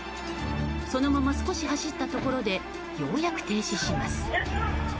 そのまま少し走ったところでようやく停止します。